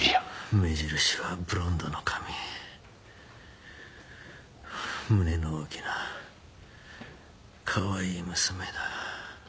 目印はブロンドの髪胸の大きなかわいい娘だ